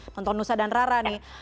nonton nusa dan rara nih